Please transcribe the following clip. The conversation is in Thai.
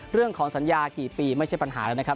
เรื่องของสัญญากี่ปีไม่ใช่ปัญหาแล้วนะครับ